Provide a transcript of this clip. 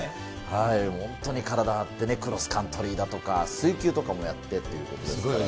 本当に体張ってね、クロスカントリーだとか、水球とかもやってということですからね。